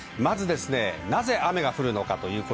なぜ雨が降るのか。